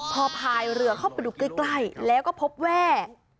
พอพายเรือเข้าไปดูใกล้แล้วก็พบแว่